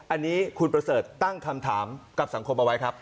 อันนี้คุณประเสริฐตั้งคำถามกับสังคมเอาไว้ครับ